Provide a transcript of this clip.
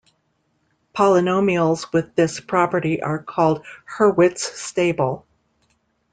Polynomials with this property are called Hurwitz-stable.